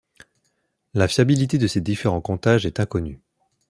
La fiabilité de ces différents comptages est inconnue.